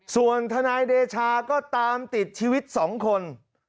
ส่วนทนายเดชาก็ตามติดชีวิต๒คน